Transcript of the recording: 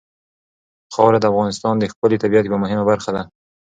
خاوره د افغانستان د ښکلي طبیعت یوه مهمه برخه ده.